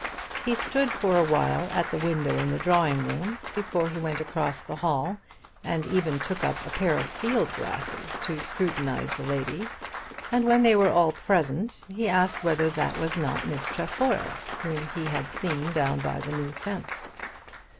He stood for a while at the window in the drawing room before he went across the hall, and even took up a pair of field glasses to scrutinise the lady; and when they were all present he asked whether that was not Miss Trefoil whom he had seen down by the new fence.